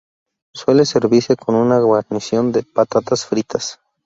Suele servirse con una guarnición de patatas fritas.